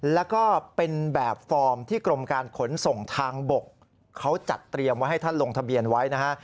แล้วก็เป็นแบบฟอร์มที่กรมการขนส่งทางบกเขาจัดเตรียมไว้ให้ท่านลงทะเบียนไว้นะฮะ